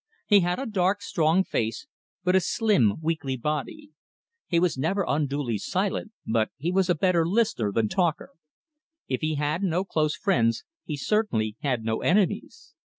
He had a dark, strong face, but a slim, weakly body. He was never unduly silent, but he was a better listener than talker. If he had no close friends, he certainly had no enemies.